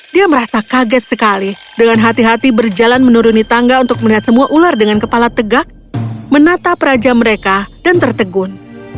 dia merasa kaget sekali dengan hati hati berjalan menuruni tangga untuk melihat semua ular dengan kepala tegak menatap raja mereka dan tertegun